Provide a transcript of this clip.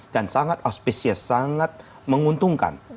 dan sangat auspicious sangat menguntungkan